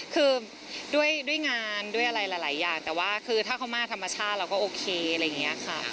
คือด้วยงานด้วยอะไรหลายอย่างแต่ว่าคือถ้าเขามาธรรมชาติเราก็โอเคอะไรอย่างนี้ค่ะ